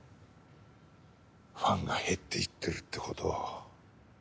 ファンが減っていってるって事を。